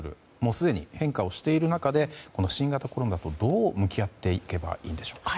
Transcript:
すでに変化をしている中で新型コロナとどう向き合っていけばいいのでしょうか。